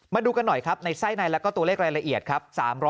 มาดูกันหน่อยครับในไส้ในแล้วก็ตัวเลขรายละเอียดครับ